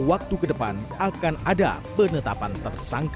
waktu kedepan akan ada penetapan tersangka